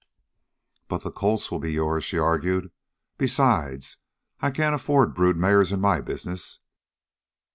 "But the colts will be yours," she argued. "Besides, I can't afford brood mares in my business.